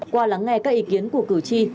qua lắng nghe các ý kiến của cử tri